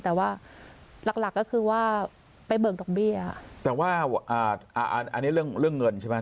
แต่ว่าหลักหลักก็คือว่าไปเบิกดอกเบี้ยแต่ว่าอ่าอ่าอันนี้เรื่องเรื่องเงินใช่ไหม